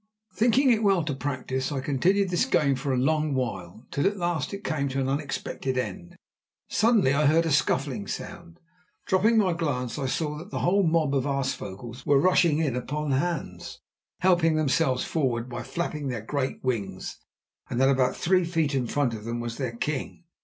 Thinking it well to practise, I continued this game for a long while, till at last it came to an unexpected end. Suddenly I heard a scuffling sound. Dropping my glance I saw that the whole mob of aasvogels were rushing in upon Hans, helping themselves forward by flapping their great wings, and that about three feet in front of them was their king.